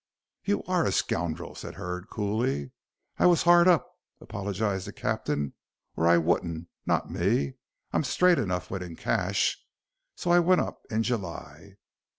"You are a scoundrel," said Hurd, coolly. "I wos 'ard up," apologized the captain, "or I wouldn't, not me. I'm straight enough when in cash. So I went up in July."